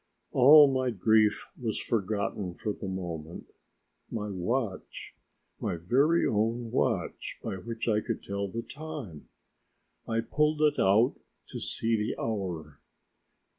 All my grief was forgotten for the moment. My watch! My very own watch by which I could tell the time. I pulled it out to see the hour.